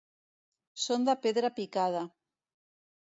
Són de pedra picada.